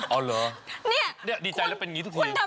โอ้เหรอดีใจแล้วเป็นอยู่ทุกทีนี้เนี่ย